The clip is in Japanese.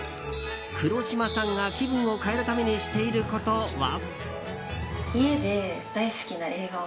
黒島さんが気分を変えるためにしていることは？